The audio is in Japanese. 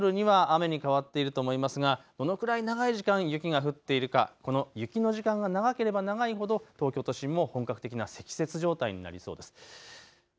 夕方、もしくは夜には雨に変わっていると思いますがどのくらい長い時間、雪が降っているか、この雪の時間が長ければ長いほど東京都心も本格的な積雪状態になりそうです。